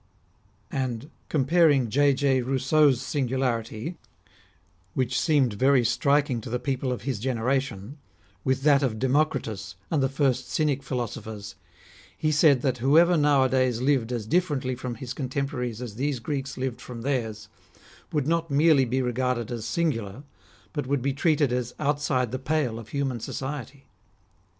And, comparing J. J. Eousseau's singularity, ^ A fictitious personage. ii8 REMARKABLE SAYINGS OF which seemed very striking to the people of his gene ration, with that of Democritus and the first Cynic philosophers, he said that whoever nowadays lived as differently from his contemporaries as these Greeks lived from theirs, would not merely be regarded as singular, but would be treated as outside the pale of human society.